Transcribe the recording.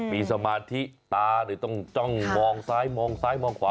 มีสมาธิตาต้องจ้องมองซ้ายมองซ้ายมองขวา